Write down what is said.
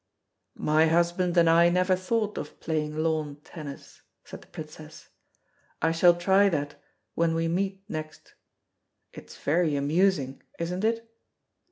"My husband and I never thought of playing lawn tennis," said the Princess. "I shall try that when we meet next. It's very amusing, isn't it?"